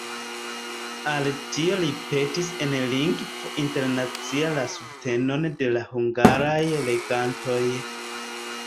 Al tio li petis en Lingvo Internacia la subtenon de la hungaraj legantoj.